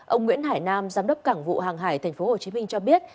ông nguyễn hải nam giám đốc cảng vụ hàng hải tp hcm cho biết